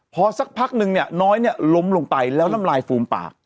พอสักพักนึงเนี่ยน้อยล้มลงไปแล้วน้ำลายฟูมปาก